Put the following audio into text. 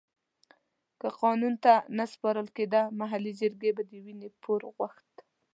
که قانون ته نه سپارل کېده محلي جرګې به د وينې پور غوښت.